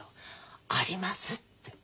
「あります」って。